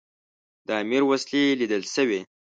د امیر وسلې لیدل سوي.